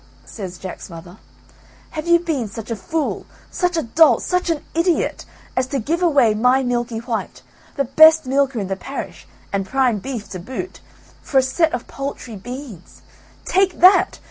says Jack's mother, "have you been such a fool, such a dolt, such an idiot, as to give away my Milky white, the best milker in the parish, and prime beef to boot, for a set of paltry beans. Take that!